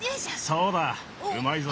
そうだうまいぞ。